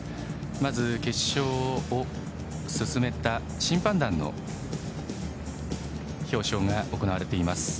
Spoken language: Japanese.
まず、決勝を進めた審判団の表彰が行われています。